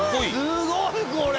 すごいこれ！